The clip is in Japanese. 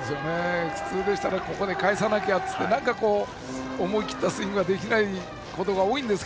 普通でしたらここでかえさなきゃと思い切ったスイングができないことが多いんですが。